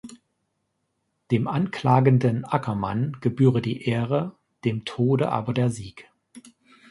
Dem anklagenden Ackermann gebühre die Ehre, dem Tode aber der Sieg.